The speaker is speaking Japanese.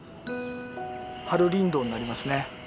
ハルリンドウになりますね。